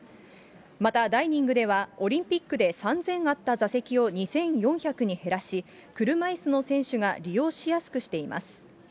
またダイニングでは、オリンピックで３０００あった座席を２４００に減らし、車いすの選手が利用しやすくしています。